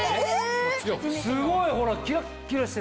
すごいほらっキラッキラしてる。